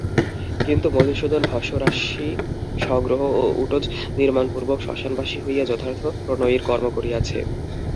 কিন্তু মধুসূদন ভস্মরাশি সংগ্রহ ও উটজ নির্মাণপূর্বক শ্মশানবাসী হইয়া যথার্থ প্রণয়ীর কর্ম করিয়াছে।